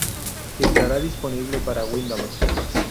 Estará disponible para Windows.